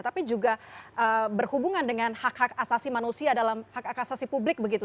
tapi juga berhubungan dengan hak hak asasi manusia dalam hak hak asasi publik begitu